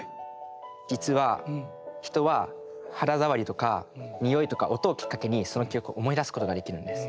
実は人は肌触りとか匂いとか音をきっかけにその記憶を思い出すことができるんです。